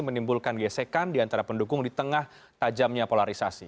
menimbulkan gesekan di antara pendukung di tengah tajamnya polarisasi